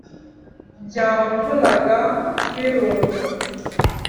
byamvunaga mbirunda!